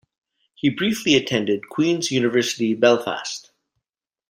He briefly attended Queens University Belfast.